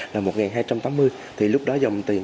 là một nghìn hai trăm tám mươi thì lúc đó dòng tiền